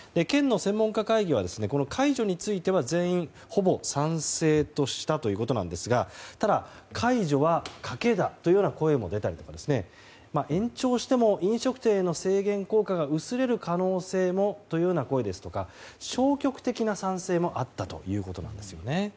県の専門家会議は解除については全員ほぼ賛成としたということなんですがただ、解除は賭けだというような声も出たりとか延長しても飲食店への制限効果が薄れる可能性もというような声ですとか消極的な賛成もあったということです。